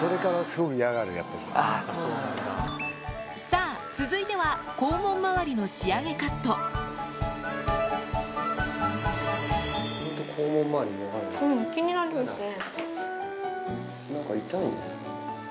さぁ続いては肛門周りの仕上げカット気になりますね。